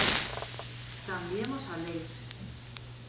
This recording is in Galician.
Cambiemos a lei.